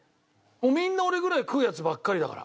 みんな俺ぐらい食うヤツばっかりだから。